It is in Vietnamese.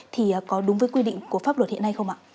thì có đúng với quy định của pháp luật hiện nay không ạ